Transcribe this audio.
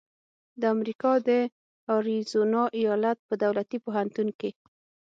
د امریکا د اریزونا ایالت په دولتي پوهنتون کې